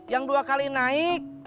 yang dua kali naik